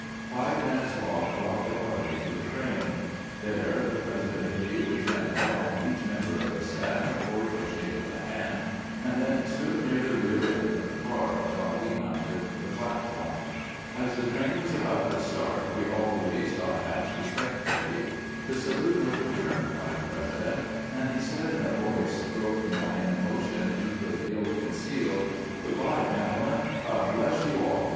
Five min utes' walk brought the party to the train. There the President gave the general and each member of the staff a cordial shake of the hand, and then stood near the rear end of the car while we mounted the platform. As the 426 CAMPAIGNING WITH GKANT train was about to start we all raised our h.ats respect fully. The salute was returned by tbe President, and lie said in a voice broken by an emotion he could ill conceal: "Good by, gentlemen. God bless you all!